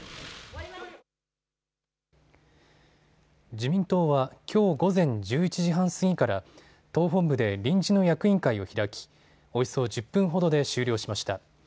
自民党はきょう午前１１時半過ぎから、党本部で臨時の役員会を開き、およそ１０分ほどで終了しました。